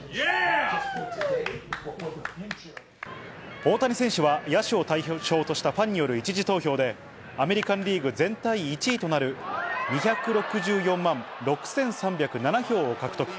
大谷選手は、野手を対象としたファンによる１次投票でアメリカンリーグ全体１位となる２６４万６３０７票を獲得。